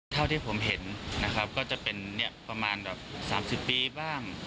เท่าที่ผมเห็นนะครับก็จะเป็นประมาณแบบ๓๐ปีบ้าง